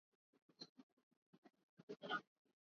Some had basements for hand loom weaving.